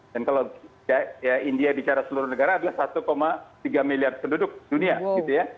dan kalau india bicara seluruh negara adalah satu tiga miliar penduduk dunia gitu ya